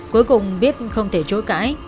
cuối cùng biết không thể chối cãi